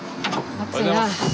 暑いなぁ。